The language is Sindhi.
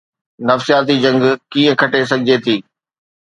نفسياتي جنگ ڪيئن کٽي سگهجي ٿي؟